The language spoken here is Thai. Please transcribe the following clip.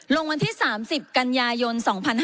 วันที่๓๐กันยายน๒๕๕๙